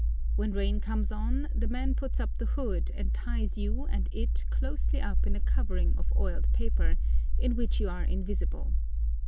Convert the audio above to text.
When rain comes on, the man puts up the hood, and ties you and it closely up in a covering of oiled paper, in which you are invisible.